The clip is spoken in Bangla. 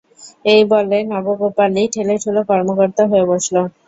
এই বলে নবগোপালই ঠেলেঠুলে কর্মকর্তা হয়ে বসল।